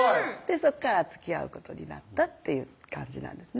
そこからつきあうことになったっていう感じなんですね